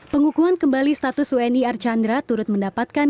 pengukuhan kembali status uni archandra turut mendapatkan